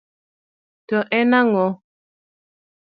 To en ang'o?